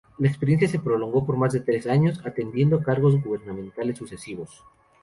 La experiencia se prolongó por más de tres años, atendiendo encargos gubernamentales sucesivos.